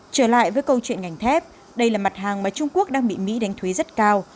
trở lại với câu chuyện ngành thép đây là mặt hàng mà trung quốc đang bị mỹ đánh thuế rất cao